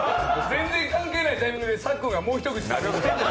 全然関係ないタイミングでさっくんが「もう一口」って。